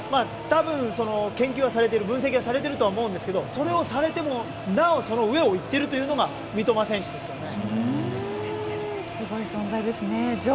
研究はされている、分析はされていると思うんですけどそれをされてもなおその上を行っているというのが三笘選手ですよね。